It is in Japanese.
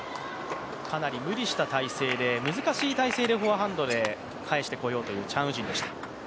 かなり無理した体勢で難しい体勢でフォアハンドで返してこようというチャン・ウジンでした。